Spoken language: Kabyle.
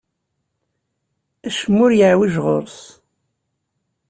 Acemma ur yeɛwiǧ ɣur-s.